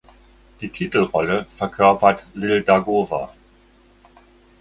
Die Titelrolle verkörpert Lil Dagover.